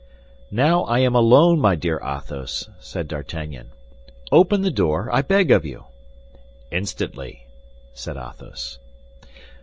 "Now I am alone, my dear Athos," said D'Artagnan; "open the door, I beg of you." "Instantly," said Athos.